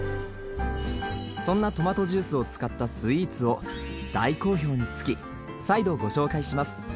そんなトマトジュースを使ったスイーツを大好評につき再度ご紹介します。